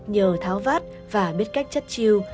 nhờ tháo vát và biết cách chất chiêu